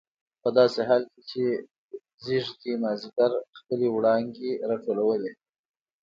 په داسې حال کې چې ځېږدي مازدیګر خپلې وړانګې راټولولې.